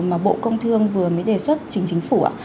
mà bộ công thương vừa mới đề xuất chính phủ ạ